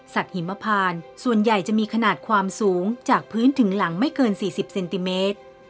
หิมพานส่วนใหญ่จะมีขนาดความสูงจากพื้นถึงหลังไม่เกิน๔๐เซนติเมตร